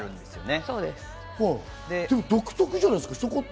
独特じゃないですか？